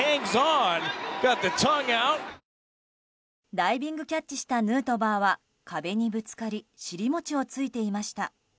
ダイビングキャッチしたヌートバーは、壁にぶつかり尻餅をついていました。